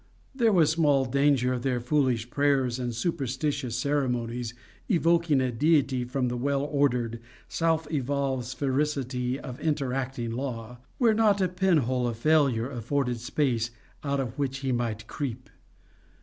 There was small danger of their foolish prayers and superstitious ceremonies evoking a deity from the well ordered, self evolved sphericity of interacting law, where not a pin hole of failure afforded space out of which he might creep.